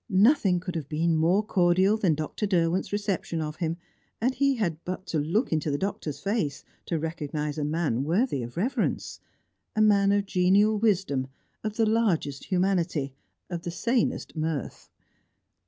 Nothing could have been more cordial than Dr. Derwent's reception of him, and he had but to look into the Doctor's face to recognise a man worthy of reverence; a man of genial wisdom, of the largest humanity, of the sanest mirth.